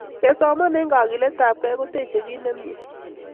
Kesoman eng kakiletapkei kotechei kit nemie